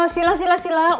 silah silah silah